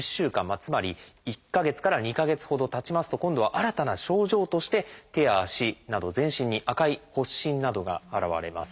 つまり１か月から２か月ほどたちますと今度は新たな症状として手や足など全身に赤い発疹などが現れます。